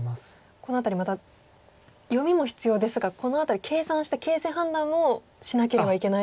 この辺りまた読みも必要ですがこの辺り計算して形勢判断もしなければいけないと。